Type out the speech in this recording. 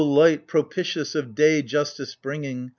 light propitious of day justice bringing